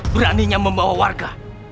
beraninya membawa warga